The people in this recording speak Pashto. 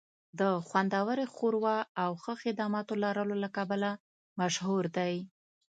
د خوندورې ښوروا او ښه خدماتو لرلو له کبله مشهور دی